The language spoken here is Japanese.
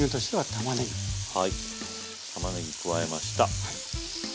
たまねぎ加えました。